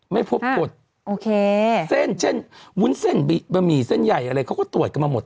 ไม่พบกด